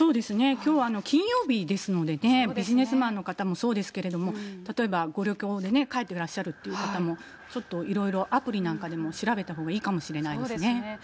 きょうは金曜日ですのでね、ビジネスマンの方もそうですけれども、例えばご旅行で帰ってらっしゃるという方も、ちょっといろいろアプリなんかでも調べたほうがいいかもしれないそうですね。